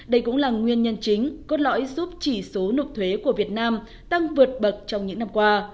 đây cũng là nguyên nhân chính cốt lõi giúp chỉ số nộp thuế của việt nam tăng vượt bậc trong những năm qua